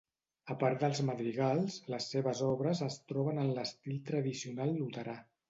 A part dels Madrigals les seves obres es troben en l'estil tradicional luterà.